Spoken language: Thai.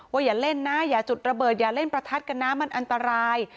อย่าเล่นนะอย่าจุดระเบิดอย่าเล่นประทัดกันนะมันอันตราย